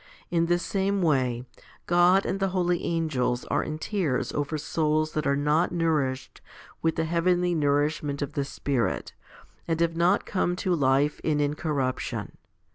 In the same way, God and the holy angels are in tears over souls that are not nourished with the heavenly nourishment of the Spirit, and have not come to life in incorruption.